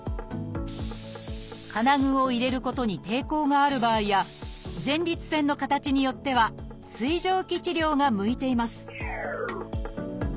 金具を入れることに抵抗がある場合や前立腺の形によっては水蒸気治療が向いています